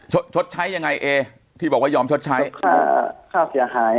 ชดใช้ยังไงเอที่บอกว่ายอมชดใช้ค่าเสียหาย